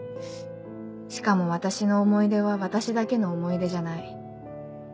しかも私の思い出は私だけの思い出じゃない。